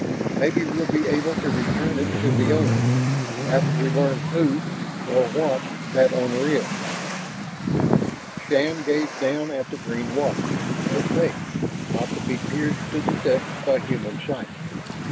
Maybe we'll be able to return it to the owner, after we learn who or what that owner is." Shann gazed down at the green water, opaque, not to be pierced to the depths by human sight.